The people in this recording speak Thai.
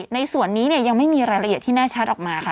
ในส่วนนี้ยังไม่มีรายละเอียดที่แน่ชัดออกมาค่ะ